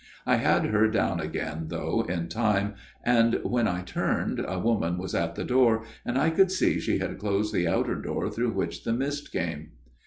I had her down again though in time, and, when I turned, a woman was at the door and I could see she had closed the outer door through which the mist came.